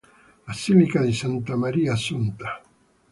Basilica di Santa Maria Assunta